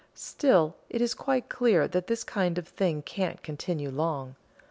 Still it is quite clear that this kind of thing can't continue long.